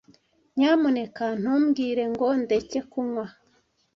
Nyamuneka ntumbwire ngo ndeke kunywa.